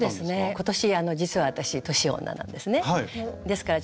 今年実は私年女なんですね。